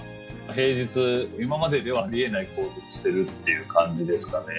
平日今までではありえない行動をしてるっていう感じですかね。